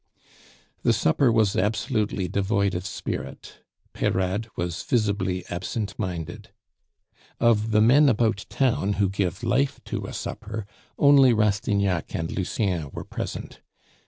The supper was absolutely devoid of spirit. Peyrade was visibly absent minded. Of the men about town who give life to a supper, only Rastignac and Lucien were present.